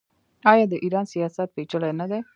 آیا د ایران سیاست پیچلی نه دی؟